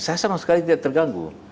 saya sama sekali tidak terganggu